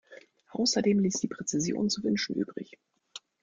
Außerdem ließ die Präzision zu wünschen übrig.